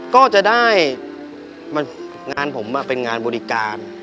ก็จะได้งานผมเป็นงานบริการ